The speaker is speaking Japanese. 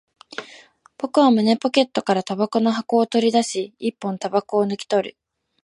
僕は胸ポケットから煙草の箱を取り出し、一本煙草を抜き取る